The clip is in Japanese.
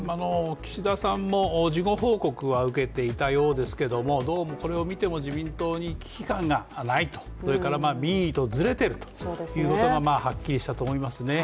岸田さんも事後報告は受けていたようですけども、どうもこれを見ても自民党に危機感がないとそれから民意とずれているということがはっきりしたと思いますね